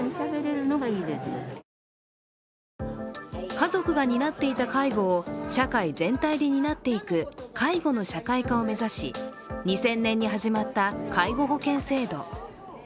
家族が担っていた介護を社会全体で担っていく介護の社会化を目指し２０００年に始まった介護保険制度。